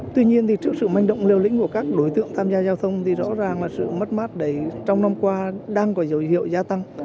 tuy nhiên trước sự manh động liều lĩnh của các đối tượng tham gia giao thông thì rõ ràng là sự mất mát đấy trong năm qua đang có dấu hiệu gia tăng